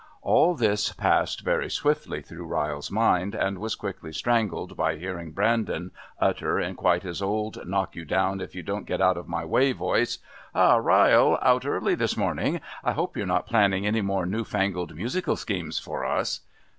All this passed very swiftly through Ryle's mind, and was quickly strangled by hearing Brandon utter in quite his old knock you down if you don't get out of my way voice, "Ha! Ryle! Out early this morning! I hope you're not planning any more new fangled musical schemes for us!"